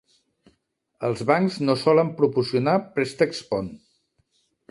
Els bancs no solen proporcionar préstecs pont.